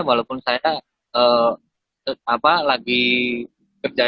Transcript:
walaupun saya lagi kerja